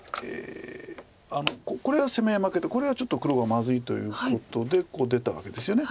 これは攻め合い負けでこれはちょっと黒がまずいということでここ出たわけですよね。